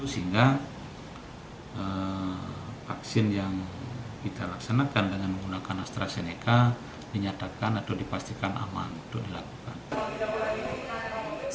sehingga vaksin yang kita laksanakan dengan menggunakan astrazeneca dinyatakan atau dipastikan aman untuk dilakukan